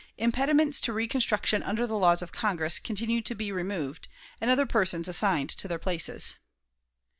"Impediments to reconstruction under the laws of Congress" continued to be removed, and other persons assigned to their places.